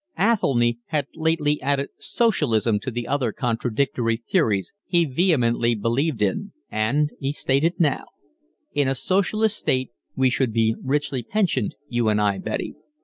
Athelny had lately added socialism to the other contradictory theories he vehemently believed in, and he stated now: "In a socialist state we should be richly pensioned, you and I, Betty."